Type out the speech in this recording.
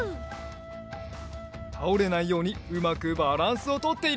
たおれないようにうまくバランスをとっている。